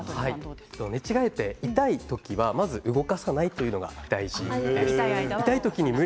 寝違えて痛い時はまず動かさないというのが大事です。